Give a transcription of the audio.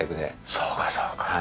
そうかそうか。